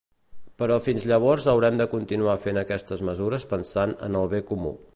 Però fins llavors haurem de continuar fent aquestes mesures pensant en el bé comú.